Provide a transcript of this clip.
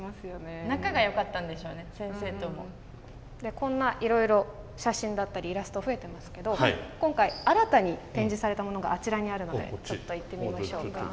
こんないろいろ写真だったりイラスト増えてますけど今回新たに展示されたものがあちらにあるのでちょっと行ってみましょうか。